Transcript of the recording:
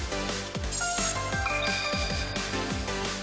はい。